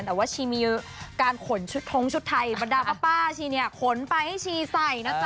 แต่ว่าชีมีการขนชุดท้องชุดไทยบรรดาป้าชีเนี่ยขนไปให้ชีใส่นะจ๊